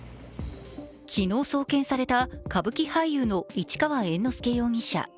昨日送検された歌舞伎俳優の市川猿之助容疑者。